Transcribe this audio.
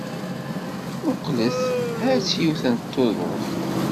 Mmuqqlet! Ha-tt yiwet n tuḍut.